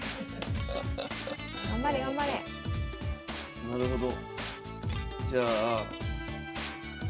あなるほど。